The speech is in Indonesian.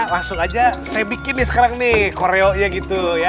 langsung aja saya bikin nih sekarang nih koreonya gitu ya